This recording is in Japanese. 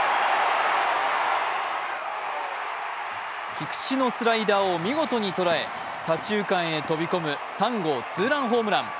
菊池のスライダーを見事に捉え左中間へ飛び込む３号ツーランホームラン。